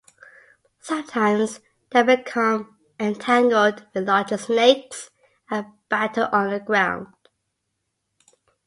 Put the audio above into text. Sometimes they become entangled with larger snakes and battle on the ground.